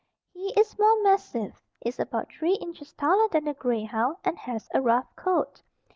He is more massive, is about three inches taller than the grey hound and has a rough coat.